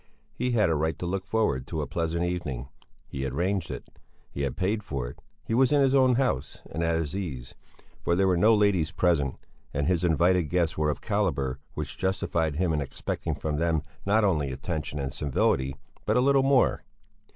He had a right to look forward to a pleasant evening: he had arranged it; he had paid for it; he was in his own house and at his ease, for there were no ladies present, and his invited guests were of a calibre which justified him in expecting from them not only attention and civility, but a little more.